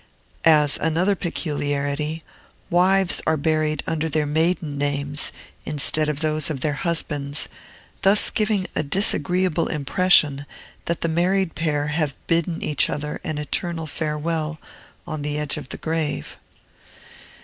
As another peculiarity, wives are buried under their maiden names, instead of those of their husbands; thus giving a disagreeable impression that the married pair have bidden each other an eternal farewell on the edge of the grave.